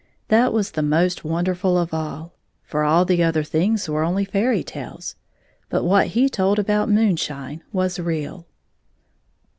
That was the most wonderfiil of all, for all the other things were only fairy tales, but what he told about moonshine was real.